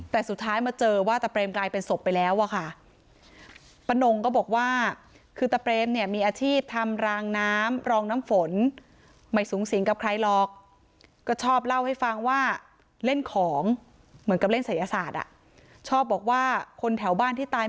แต่สุดท้ายมาเจอว่าตะเปรมไปกลายเป็นศพ๐๑ละครับ